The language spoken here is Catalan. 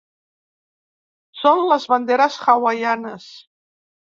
Són les banderes hawaianes.